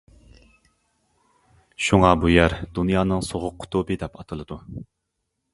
شۇڭا بۇ يەر «دۇنيانىڭ سوغۇق قۇتۇبى» دەپ ئاتىلىدۇ.